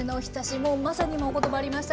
もうまさに今お言葉ありました